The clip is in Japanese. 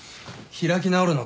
開き直るのか。